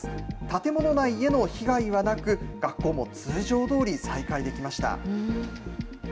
建物内への被害はなく、学校も通常どおり再開できました。